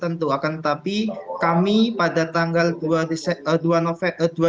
tentu akan tetapi kami pada tanggal dua desember